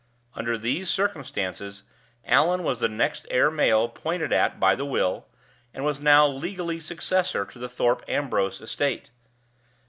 Under these circumstances, Allan was the next heir male pointed at by the will, and was now legally successor to the Thorpe Ambrose estate.